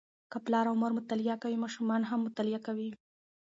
که پلار او مور مطالعه کوي، ماشومان هم مطالعه کوي.